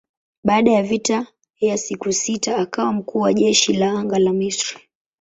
Baada ya vita ya siku sita akawa mkuu wa jeshi la anga la Misri.